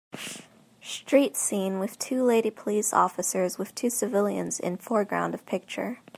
Street scene with two lady police officers with two civilians in foreground of picture.